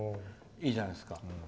いいじゃないですか。